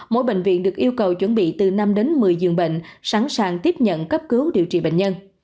mỗi bệnh viện được yêu cầu chuẩn bị từ năm đến một mươi giường bệnh sẵn sàng tiếp nhận cấp cứu điều trị bệnh nhân